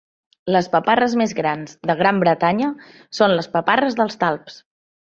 Les paparres més grans de Gran Bretanya són les paparres dels talps.